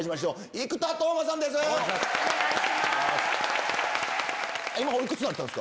生田斗真さんです。